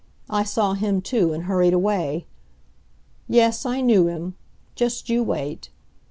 I saw him, too, and hurried away. Yes, I knew him. Just you wait.